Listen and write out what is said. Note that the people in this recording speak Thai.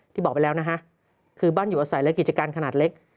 บอกไปแล้วนะฮะคือบ้านอยู่อาศัยและกิจการขนาดเล็ก